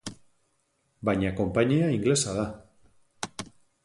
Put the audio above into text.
Baina konpainia ingelesa da.